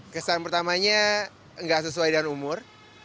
kesan pertamanya nggak sesuai dengan umur